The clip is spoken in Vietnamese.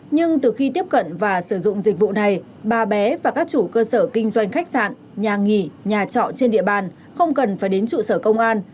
nhưng từ khi tiếp cận và sử dụng dịch vụ này bà bé và các chủ cơ sở kinh doanh khách sạn nhà nghỉ nhà trọ trên địa bàn không cần phải đến trụ sở công an